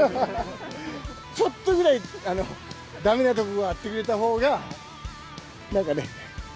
ちょっとぐらいだめなところがあってくれたほうが、なんかね。